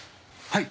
はい。